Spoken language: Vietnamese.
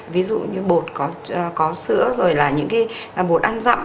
ví dụ như bột có sữa rồi là những cái bột ăn dặm